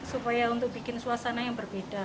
supaya untuk bikin suasana yang berbeda